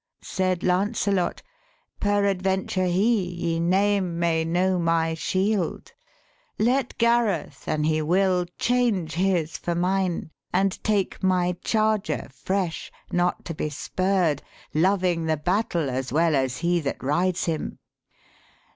Said Lancelot, ' Perad venture he, ye name, May know my shield. Let Gareth, an he will, 197 THE SPEAKING VOICE Change his for mine, and take my charger, fresh, Not to be spurr'd, loving the battle as well As he that rides him.'